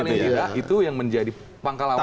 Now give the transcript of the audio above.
tapi paling tidak itu yang menjadi pangkal awalnya